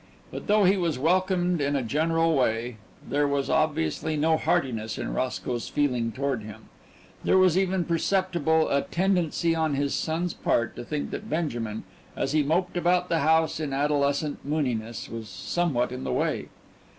But though he was welcomed in a general way there was obviously no heartiness in Roscoe's feeling toward him there was even perceptible a tendency on his son's part to think that Benjamin, as he moped about the house in adolescent mooniness, was somewhat in the way.